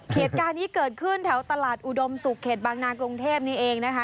เหตุการณ์นี้เกิดขึ้นแถวตลาดอุดมศุกร์เขตบางนากรุงเทพนี้เองนะคะ